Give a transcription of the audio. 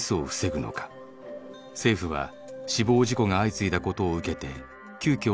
政府は死亡事故が相次いだことを受けて急きょ